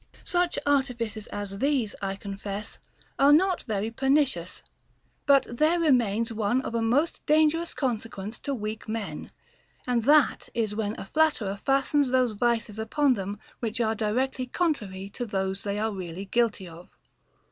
19. Such artifices as these, I confess, are not very per nicious, but there remains one of a most dangerous conse quence to weak men ; and that is when a flatterer fastens those vices upon them which are directly contrary to those they are really guilty of.